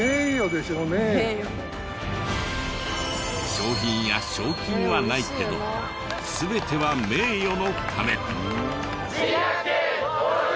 賞品や賞金はないけど全ては名誉のため。